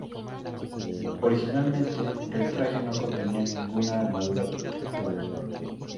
Originalmente, el traje no contenía ninguna armadura protectora.